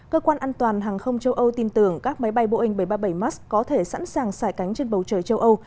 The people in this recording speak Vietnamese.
cơ quan an toàn hàng không châu âu tin tưởng các máy bay boeing bảy trăm ba mươi bảy max có thể sẵn sàng xài cánh trên bầu trời châu âu